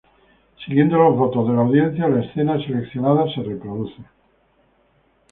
Siguiendo los votos de la audiencia, la escena seleccionada se reproduce.